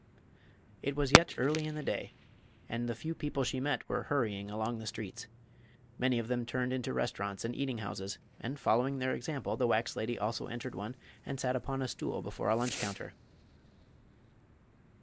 It was yet early in the day, and the few people she met were hurrying along the streets. Many of them turned into restaurants and eating houses, and following their example the wax lady also entered one and sat upon a stool before a lunch counter.